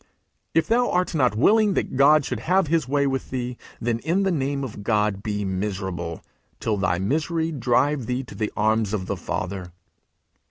If thou art not willing that God should have his way with thee, then, in the name of God, be miserable till thy misery drive thee to the arms of the Father.'